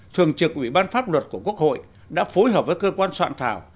thường trực ủy ban pháp luật của quốc hội đã phối hợp với cơ quan soạn thảo